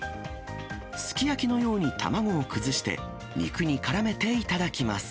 すき焼きのように卵を崩して、肉にからめて頂きます。